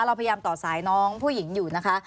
เราพยายามต่อสายน้องผู้หญิงอยู่นะคะ